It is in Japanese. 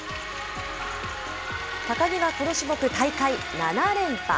高木はこの種目、大会７連覇。